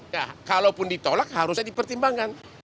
ya kalaupun ditolak harusnya dipertimbangkan